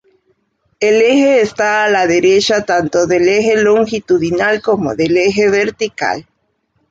El eje está a la derecha tanto del eje longitudinal como del eje vertical.